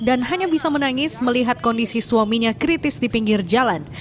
dan hanya bisa menangis melihat kondisi suaminya kritis di pinggir jalan